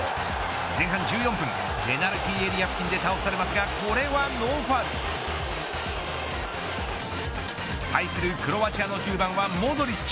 前半１４分ペナルティーエリア付近で倒されますがこれはノーファウル。対するクロアチアの１０番はモドリッチ。